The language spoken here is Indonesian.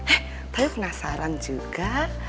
eh tapi penasaran juga